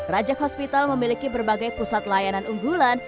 rajak hospital memiliki berbagai pusat layanan unggulan